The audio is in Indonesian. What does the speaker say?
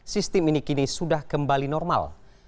sistem ini kini sudah kembali normal